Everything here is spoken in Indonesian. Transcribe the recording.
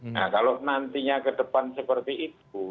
nah kalau nantinya ke depan seperti itu